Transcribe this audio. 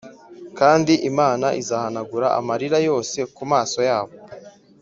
kandi imana izahanagura amarira yose ku maso yabo